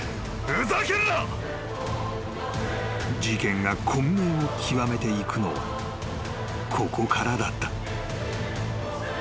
［事件が混迷を極めていくのはここからだった］